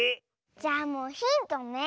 じゃあもうヒントね。